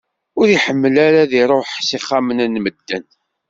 Ur iḥemmel ara ad iruḥ s ixxamen n medden.